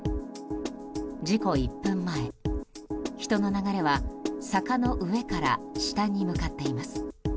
事故１分前、人の流れは坂の上から下に向かっています。